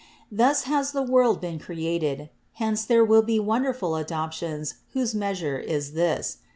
"Thus has the world been created. Hence there will be wonderful adoptions whose measure is this.